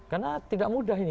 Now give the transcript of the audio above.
karena tidak mudah ini